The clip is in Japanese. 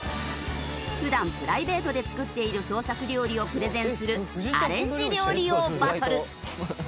普段プライベートで作っている創作料理をプレゼンするアレンジ料理王バトル。